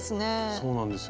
そうなんですよ